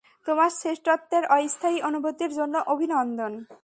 তোমার শ্রেষ্ঠত্বের অস্থায়ী অনুভূতির জন্য অভিনন্দন।